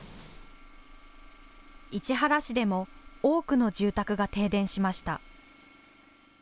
市原市でも多くの住宅が停電しました。